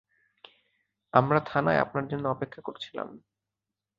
আমরা থানায় আপনার জন্য অপেক্ষা করছিলাম।